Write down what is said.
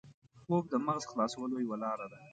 خوب د مغز خلاصولو یوه لاره ده